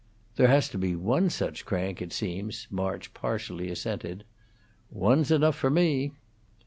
"There has to be one such crank, it seems," March partially assented. "One's enough for me."